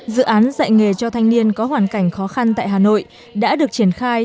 dự án dạy nghề cho thanh niên có hoàn cảnh khó khăn tại hà nội đã được triển khai